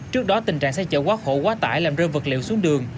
trước đó tình trạng xe chở quá khổ quá tải làm rơi vật liệu xuống đường